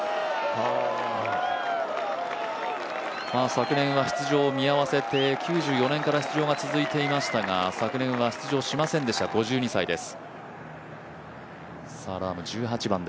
昨年は出場を見合わせて、９４年から出場が続いていましたが、昨年は出場しませんでした、５２歳です。